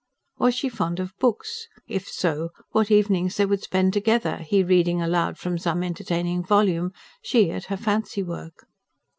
Was she fond of books? If so, what evenings they would spend together, he reading aloud from some entertaining volume, she at her fancy work.